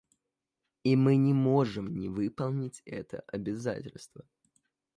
И мы не можем не выполнить это обязательство.